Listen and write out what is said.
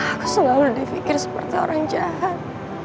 aku selalu dipikir seperti orang jahat